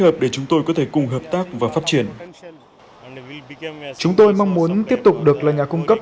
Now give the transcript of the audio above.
hợp để chúng tôi có thể cùng hợp tác và phát triển chúng tôi mong muốn tiếp tục được là nhà cung cấp